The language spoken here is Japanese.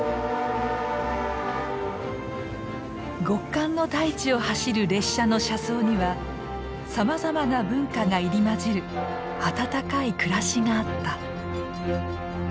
極寒の大地を走る列車の車窓にはさまざまな文化が入り混じる温かい暮らしがあった。